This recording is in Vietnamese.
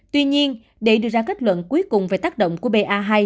tuy nhiên để đưa ra kết luận cuối cùng về tác động của ba